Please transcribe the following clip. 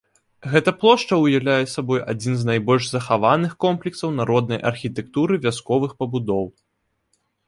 Гэта плошча ўяўляе сабой адзін з найбольш захаваных комплексаў народнай архітэктуры вясковых пабудоў.